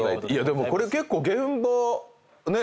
でもこれ結構現場ねえ。